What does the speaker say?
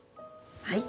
はい。